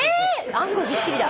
あんこぎっしりだ。